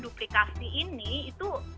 duplikasi ini itu